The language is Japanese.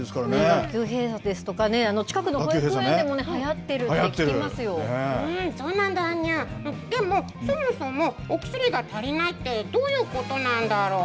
学級閉鎖ですとか近くの保育園でもはやっているってそうなんだにゅでも、そもそもお薬が足りないってどういうことなんだろう。